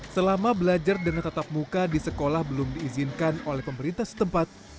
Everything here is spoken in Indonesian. selama belajar dengan tetap muka di sekolah belum diizinkan oleh pemerintah setempat